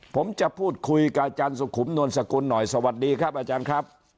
ผมจะพูดคุยกับอาจารย์สุขุมนวลสกุลหน่อยสวัสดีครับอาจารย์ครับ